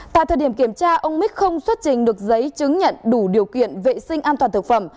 tại thời điểm kiểm tra ông mích không xuất trình được giấy chứng nhận đủ điều kiện vệ sinh an toàn thực phẩm